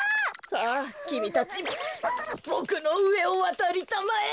さあきみたちボクのうえをわたりたまえ。